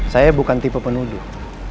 saya bukan tipe penuduh